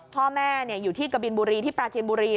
พ่อแม่อยู่ที่กะบินบุรีที่ปราจินบุรี